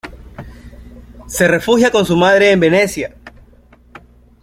Se refugia con su madre en Venecia.